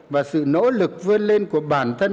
và sự nỗ lực vươn lên của bản thân